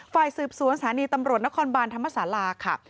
ฝ่ายสืบสวนสถานีตำรวจนครบานธรรมศาลาค่ะ